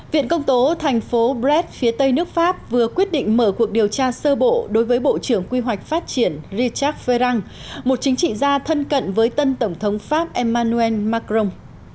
viện công tố thành phố bred phía tây nước pháp vừa quyết định mở cuộc điều tra sơ bộ đối với bộ trưởng quy hoạch phát triển richark veen một chính trị gia thân cận với tân tổng thống pháp emmanuel macron